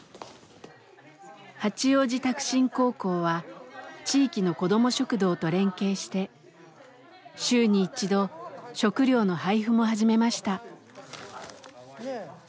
八王子拓真高校は地域のこども食堂と連携して週に一度食料の配布も始めました。